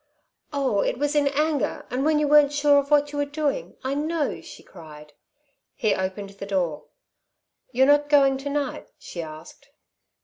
"Oh, it was in anger, and when you weren't sure of what you were doing, I know," she cried. He opened the door. "You're not going to night?" she asked.